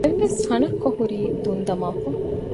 ދެން ވެސް ހަނައްކޮ ހުރީ ތުންދަމާފަ